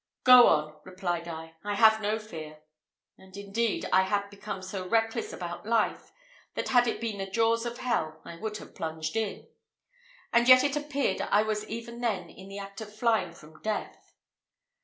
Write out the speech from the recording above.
"Go on," replied I, "I have no fear;" and, indeed, I had become so reckless about life, that had it been the jaws of hell, I would have plunged in. And yet it appeared I was even then in the act of flying from death.